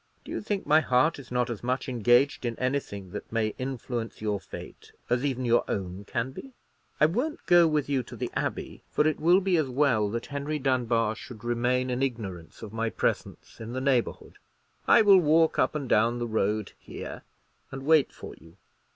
Do you think my heart is not as much engaged in anything that may influence your fate as even your own can be? I won't go with you to the Abbey; for it will be as well that Henry Dunbar should remain in ignorance of my presence in the neighbourhood. I will walk up and down the road here, and wait for you."